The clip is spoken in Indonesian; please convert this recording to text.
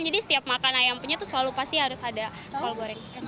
jadi setiap makan ayam punya itu selalu pasti harus ada kol goreng